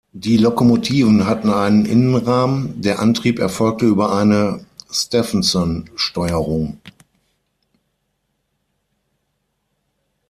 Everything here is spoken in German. Die Lokomotiven hatten einen Innenrahmen, der Antrieb erfolgte über eine Stephensonsteuerung.